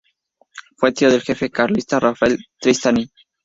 Fue tío del jefe carlista Rafael Tristany.